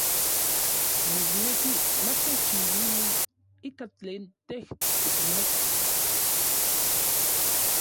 Nikneki ma techchiuili ikan tlen tej tikneki.